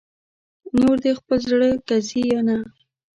نور دې خپل زړه که ځې یا نه